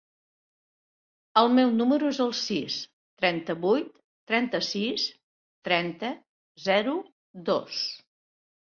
El meu número es el sis, trenta-vuit, trenta-sis, trenta, zero, dos.